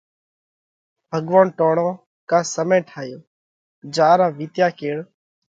ڀڳوونَ ٽوڻو ڪا سمئي ٺايو جيا را وِيتيا ڪيڙ